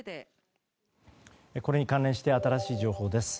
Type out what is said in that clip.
これに関連して新しい情報です。